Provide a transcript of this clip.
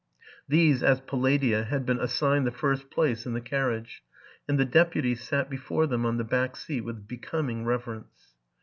These, as palladia, had been assigned the first place in the carriage ; and the deputies sat before them on the back seat with becoming reverence.